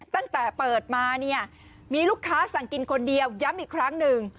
ตั้งแต่เปิดมาเนี่ยมีลูกค้าสั่งกินคนเดียวย้ำอีกครั้งหนึ่ง